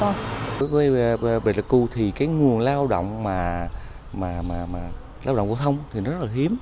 ở quê bệt lạc cư thì cái nguồn lao động mà lao động phổ thông thì nó rất là hiếm